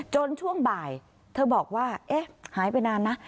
ช่วงบ่ายเธอบอกว่าเอ๊ะหายไปนานนะ